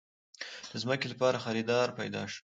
د ځمکې لپاره خريدار پېدا شو.